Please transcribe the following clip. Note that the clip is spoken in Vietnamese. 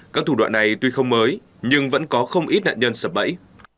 các thủ đoạn này tuy không mới nhưng vẫn có không ít nạn nhân sập bẫy